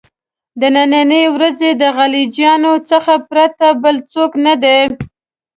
د نني ورځې له غلجیانو څخه پرته بل څوک نه دي.